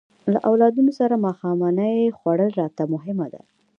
له اولادونو سره ماښامنۍ خوړل راته مهمه ده.